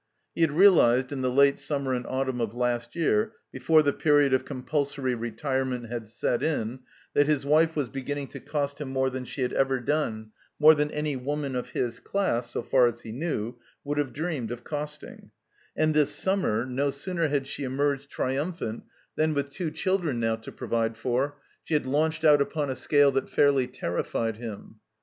He had realized, in the late summer and autumn of last year, before the period of compulsory retirement had set in, that his wife was beginning to cost him more than she had ever done, more than any woman of his class, so far as he knew, would have dreamed of costing; and this siunmer, no sooner had she emerged triumphant 290 THE COMBINED MAZE than — ^with two children now to provide for — she had latinched out upon a scale that fairly terrified him.